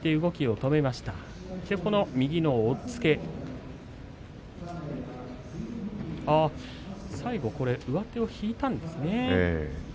そしてこの右の押っつけ最後、上手を引いたんですね。